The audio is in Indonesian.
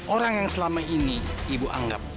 orang yang selama ini ibu anggap